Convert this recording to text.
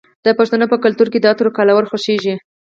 د پښتنو په کلتور کې د عطرو کارول خوښیږي.